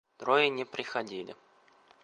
Трое не приходили.